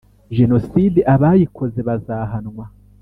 Jenoside abayikoze bazahanwa